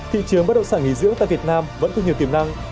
thị trường bất động sản nghỉ dưỡng tại việt nam vẫn có nhiều tiềm năng